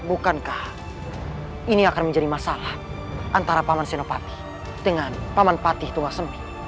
apakah ini akan menjadi masalah antara pak man sinovati dengan pak man patih tungasemi